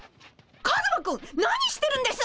カズマくん何してるんです？